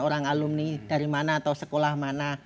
orang alumni dari mana atau sekolah mana